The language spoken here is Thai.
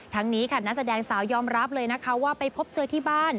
นี้ค่ะนักแสดงสาวยอมรับเลยนะคะว่าไปพบเจอที่บ้าน